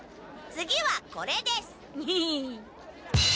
次はこれです！